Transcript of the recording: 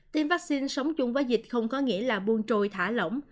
tiêm vaccine sống chung với dịch không có nghĩa là buôn trồi thả lỏng